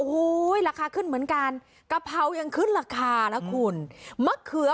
โอ้โหราคาขึ้นเหมือนกันกะเพรายังขึ้นราคานะคุณมะเขือ